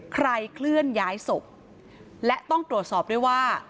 เคลื่อนย้ายศพและต้องตรวจสอบด้วยว่า